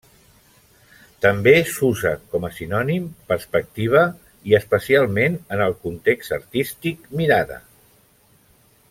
També s'usa, com a sinònim, perspectiva i, especialment en el context artístic, mirada.